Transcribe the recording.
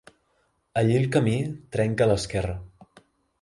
Allí el camí trenca a l'esquerra.